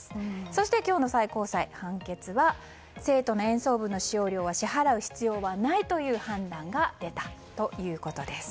そして、今日の最高裁の判決は生徒の演奏分の支払いは必要はないという判断が出たということです。